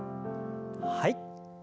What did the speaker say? はい。